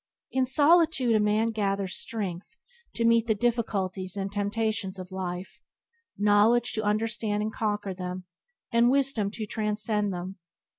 In solitude a man gathers strength to meet the difficulties and temptations of life, knowledge to understand and conquer them, and wisdom to transcend them.